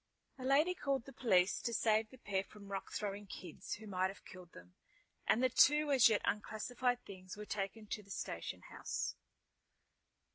A lady called the police to save the pair from rock throwing kids who might have killed them, and the two as yet unclassified things were taken to the station house.